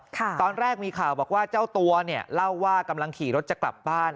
ตอนแรกมีข่าวบอกว่าเจ้าตัวเนี่ยเล่าว่ากำลังขี่รถจะกลับบ้าน